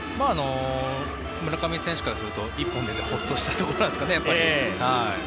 村上選手からすると１本出てほっとしたところですかね。